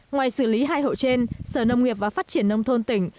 ngoài xử lý hai hộ trên sở nông nghiệp và phát triển nông thôn tỉnh